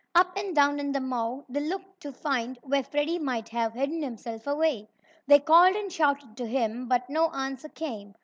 Up and down in the mow they looked to find where Freddie might have hidden himself away. They called and shouted to him, but no answer came.